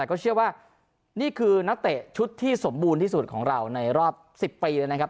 ก็เชื่อว่านี่คือนักเตะชุดที่สมบูรณ์ที่สุดของเราในรอบ๑๐ปีเลยนะครับ